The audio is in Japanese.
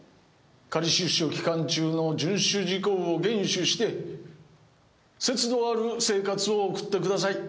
仮出所期間中の遵守事項を厳守して節度ある生活を送ってください。